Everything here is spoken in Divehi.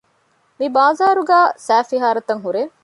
މިބާޒާރުގައި ސައިފިހާރަތައް ހުރޭ